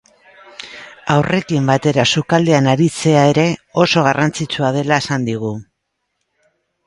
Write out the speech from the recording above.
Haurrekin batera sukaldean aritzea ere oso garrantzitsua dela esan digu.